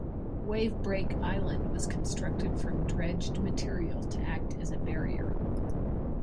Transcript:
Wave Break Island was constructed from dredged material to act as a barrier.